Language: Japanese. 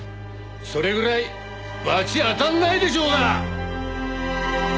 それぐらい罰当たんないでしょうが！